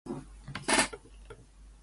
咲いた花は悪い匂いがした。